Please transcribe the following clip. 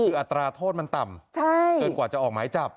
คืออัตราโทษมันต่ำเกินกว่าจะออกหมายจับ